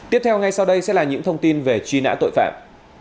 tiếp theo là những thông tin về truy nã tội phạm